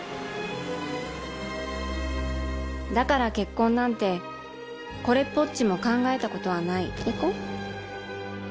だから結婚なんてこれっぽっちも考えたことはない